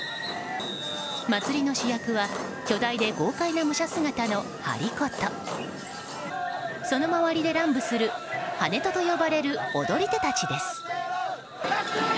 祭りの主役は巨大で豪快な武者姿のハリコとその周りで乱舞する跳人と呼ばれる踊り手たちです。